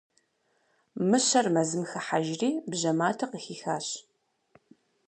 Мыщэр мэзым хыхьэжри, бжьэ матэ къыхихащ.